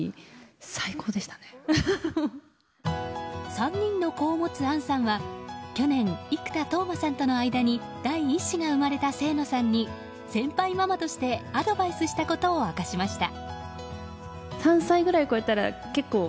３人の子を持つ杏さんは去年、生田斗真さんとの間に第１子が生まれた清野さんに先輩ママとしてアドバイスしたことを明かしました。